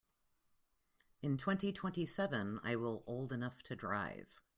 In twenty-twenty-seven I will old enough to drive.